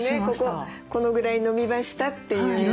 こここのぐらい伸びましたっていう。